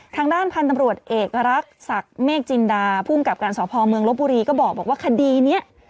ทางด้านพันธุ์ตำรวจเอกรักษักเมฆจินดาภูมิกับการสพเมืองลบบุรีก็บอกว่าคดีนี้